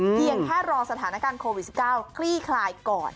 เพียงแค่รอสถานการณ์โควิด๑๙คลี่คลายก่อน